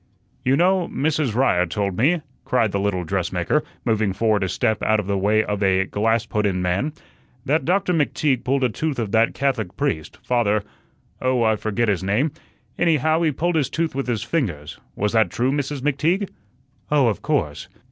"You know, Mrs. Ryer told me," cried the little dressmaker, moving forward a step out of the way of a "glass put in" man, "that Doctor McTeague pulled a tooth of that Catholic priest, Father oh, I forget his name anyhow, he pulled his tooth with his fingers. Was that true, Mrs. McTeague?" "Oh, of course.